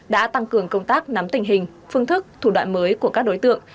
đã tăng cường công tác nắm tình hình phương thức thủ đoạn mới của các đối tượng